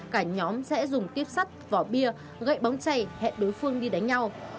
cả nhóm sẽ dùng tuyết sắt vỏ bia gậy bóng chày hẹn đối phương đi đánh nhau